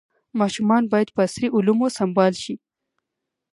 ماشومان باید په عصري علومو سمبال شي.